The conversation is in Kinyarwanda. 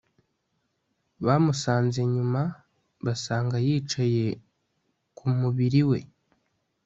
bamusanze nyuma, basanga yicaye ku mubiri we